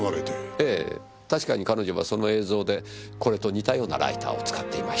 ええ確かに彼女はその映像でこれと似たようなライターを使っていました。